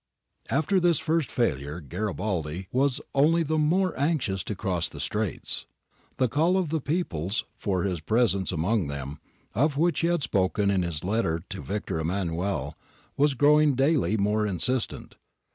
'^ After this first failure. Garibaldi was only the more anxious to cross the Straits. The ' call of the peoples ' for his presence among them, of which he had spoken in his letter to Victor Emmanuel, was growing daily more insistent.